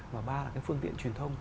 và ba là cái phương tiện truyền thông